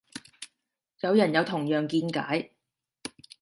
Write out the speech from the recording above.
有人有同樣見解